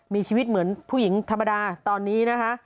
มีชีวิตเหมือนผู้หญิงธรรมดาตอนนี้นะคะ